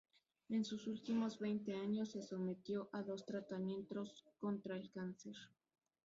En sus últimos veinte años se sometió a dos tratamientos contra el cáncer.